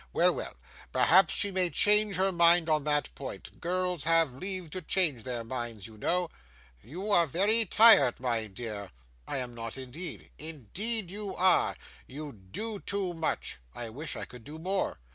Well, well. Perhaps she may change her mind on that point; girls have leave to change their minds, you know. You are very tired, my dear.' 'I am not, indeed.' 'Indeed you are. You do too much.' 'I wish I could do more.